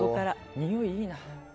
においいいな。